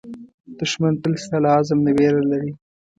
دښمن تل ستا له عزم نه وېره لري